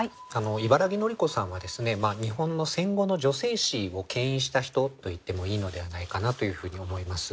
茨木のり子さんは日本の戦後の女性史をけん引した人と言ってもいいのではないかなというふうに思います。